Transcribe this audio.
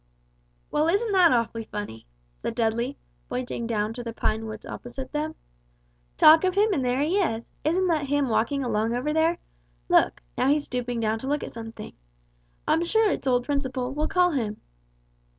"Well, that is awfully funny," said Dudley, pointing down to the pine woods opposite them. "Talk of him and there he is! Isn't that him walking along over there? Look now he's stooping down to look at something. I'm sure it's old Principle; we'll call him!"